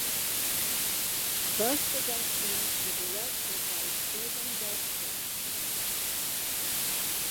Both productions were directed by Steven Dexter.